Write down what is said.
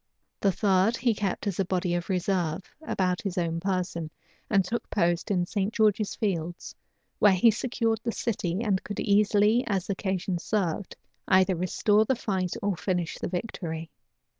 The third he kept as a body of reserve about his own person, and took post in St. George's Fields; where he secured the city, and could easily, as occasion served, either restore the fight or finish the victory.